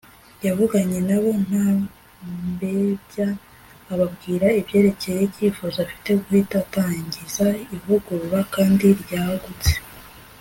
yavuganye nabo nta mbebya ababwira ibyerekeye icyifuzo afite guhita atangiza ivugurura kandi ryagutse